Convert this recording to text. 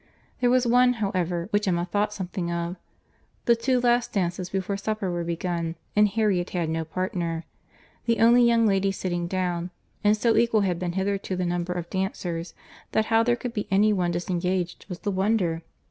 There was one, however, which Emma thought something of.—The two last dances before supper were begun, and Harriet had no partner;—the only young lady sitting down;—and so equal had been hitherto the number of dancers, that how there could be any one disengaged was the wonder!